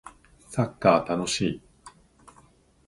サッカー楽しい